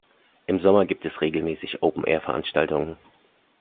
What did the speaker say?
Im Sommer gibt es regelmäßig Open Air Veranstaltungen.